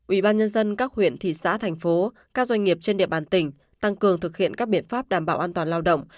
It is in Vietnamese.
ubnd các huyện thị xã thành phố các doanh nghiệp trên địa bàn tỉnh tăng cường thực hiện các biện pháp đảm bảo an toàn lao động